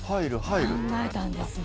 考えたんですね。